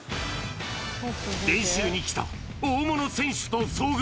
練習に来た大物選手と遭遇。